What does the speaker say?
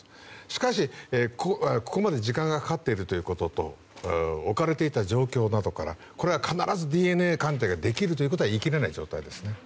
しかし、ここまで時間がかかっているということと置かれていた状況などからこれが必ずＤＮＡ鑑定ができるということは言い切れない状態ですね。